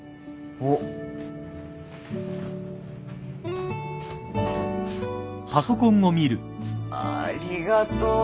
はっありがとう！